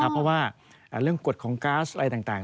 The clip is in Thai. เพราะว่าเรื่องกฎของก๊าซอะไรต่าง